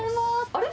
あれ？